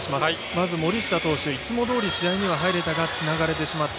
まず、森下投手いつもどおり試合には入れたがつながれてしまった。